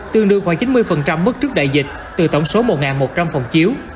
tương đương khoảng chín mươi mức trước đại dịch từ tổng số một một trăm linh phòng chiếu